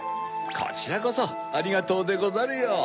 こちらこそありがとうでござるよ。